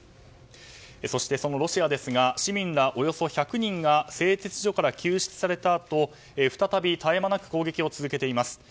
そしてそのロシアですが市民らおよそ１００人が製鉄所から救出されたあと再び、絶え間なく攻撃を続けています。